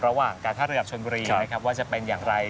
ระหว่างการท่าระดับชนบุรีนะครับว่าจะเป็นอย่างไร